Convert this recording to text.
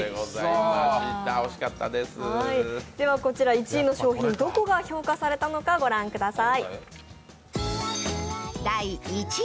１位の商品、どこが評価されたのか御覧ください。